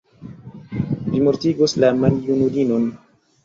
Vi mortigos la maljunulinon.